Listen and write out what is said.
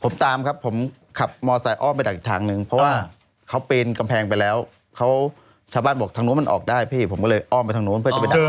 ผมตามครับผมขับมอไซค้อมไปดักอีกทางนึงเพราะว่าเขาปีนกำแพงไปแล้วเขาชาวบ้านบอกทางนู้นมันออกได้พี่ผมก็เลยอ้อมไปทางนู้นเพื่อจะไปดัก